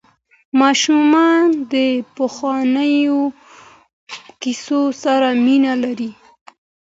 ماشومان د پخوانیو کیسو سره مینه لري.